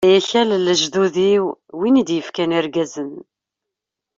Ay akal n lejdud-iw, win i d-ifkan irgazen.